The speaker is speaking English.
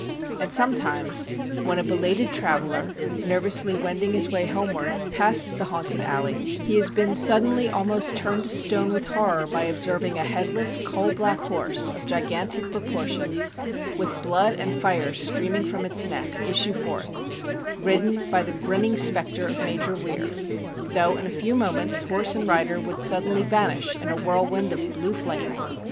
And sometimes, when a belated traveller, nervously wending his way homeward, passed the haunted alley, he has been suddenly almost turned to stone with horror by observing a headless, coal black horse, of gigantic proportions, with blood and fire streaming from its neck, issue forth, ridden by the grinning spectre of Major Weir, though, in a few moments, horse and rider would suddenly vanish in a whirlwind of blue flame.